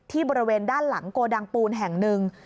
บริเวณด้านหลังโกดังปูนแห่งหนึ่ง